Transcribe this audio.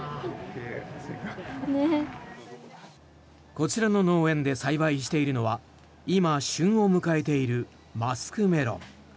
こちらの農園で栽培しているのは今、旬を迎えているマスクメロン。